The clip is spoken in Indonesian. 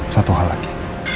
satu hal lagi